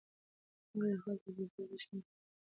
ولې د خلکو د تجربو ارزښت مه کم کوې؟